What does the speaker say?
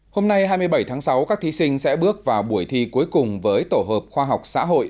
hôm nay hai mươi bảy tháng sáu các thí sinh sẽ bước vào buổi thi cuối cùng với tổ hợp khoa học xã hội